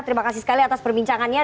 terima kasih sekali atas perbincangannya